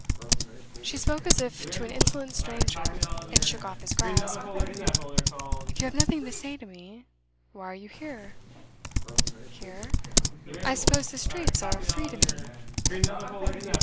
She spoke as if to an insolent stranger, and shook off his grasp. 'If you have nothing to say to me, why are you here?' 'Here? I suppose the streets are free to me?